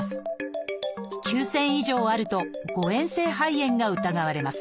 ９，０００以上あると誤えん性肺炎が疑われます。